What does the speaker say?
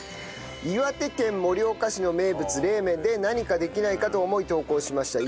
岩手県盛岡市の名物冷麺で何かできないかと思い投稿しました。